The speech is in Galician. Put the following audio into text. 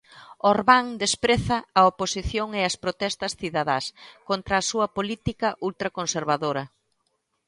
Orban despreza a oposición e as protestas cidadás contra a súa política ultraconservadora.